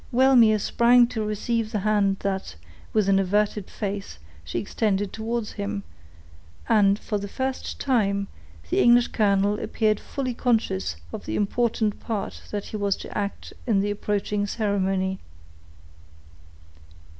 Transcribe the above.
Wellmere sprang to receive the hand that, with an averted face, she extended towards him, and, for the first time, the English colonel appeared fully conscious of the important part that he was to act in the approaching ceremony.